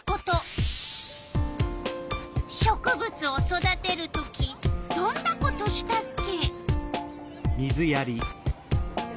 植物を育てる時どんなことしたっけ？